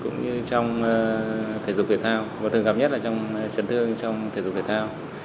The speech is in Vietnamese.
như trong thể dục thể thao và thường gặp nhất là trong trấn thương trong thể dục thể thao